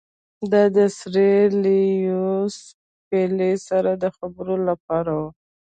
دا د سر لیویس پیلي سره د خبرو لپاره وو.